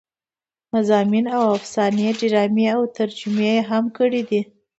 مضامين او افسانې ډرامې او ترجمې يې هم کړې دي